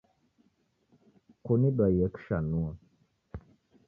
Kunidwaie kishanua